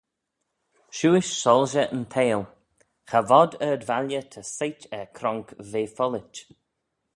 Shiuish soilshey yn theihll Cha vod ard-valley ta soit er cronk ve follit.